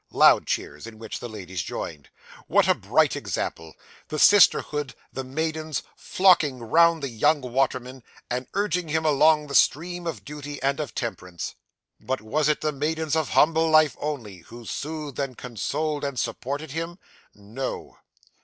(Loud cheers, in which the ladies joined.) What a bright example! The sisterhood, the maidens, flocking round the young waterman, and urging him along the stream of duty and of temperance. But, was it the maidens of humble life only, who soothed, consoled, and supported him? No!